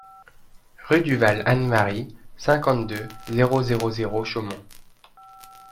Rue du Val Anne-Marie, cinquante-deux, zéro zéro zéro Chaumont